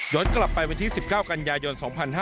ย้อนกลับไปวิธี๑๙กันยายน๒๕๖๑